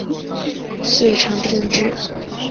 遂成定制。